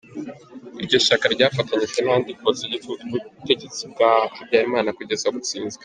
Iryo shyaka ryafatanyije n’andi kotsa igitutu ubutegetsi bwa Habyarimana kugeza butsinzwe.